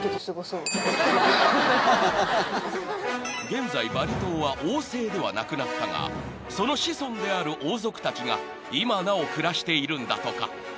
［現在バリ島は王制ではなくなったがその子孫である王族たちが今なお暮らしているんだとか］